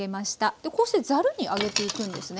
でこうしてざるに上げていくんですね。